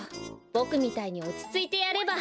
ボクみたいにおちついてやれば。